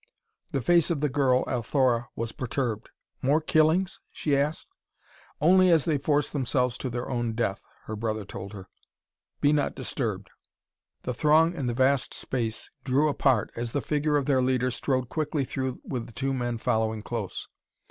The face of the girl, Althora, was perturbed. "More killings?" she asked. "Only as they force themselves to their own death," her brother told her. "Be not disturbed." The throng in the vast space drew apart as the figure of their leader strode quickly through with the two men following close.